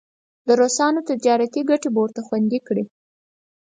د روسانو تجارتي ګټې به ورته خوندي کړي.